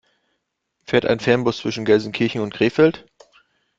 Fährt ein Fernbus zwischen Gelsenkirchen und Krefeld?